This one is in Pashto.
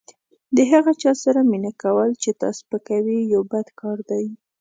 د هغه چا سره مینه کول چې تا سپکوي یو بد کار دی.